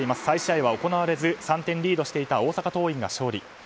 再試合は行われず３点リードしていた大阪桐蔭が勝利。